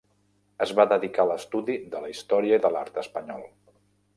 Es va dedicar a l'estudi de la història i de l'art espanyol.